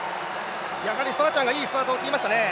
やはりストラチャンがいいスタートを切りましたね。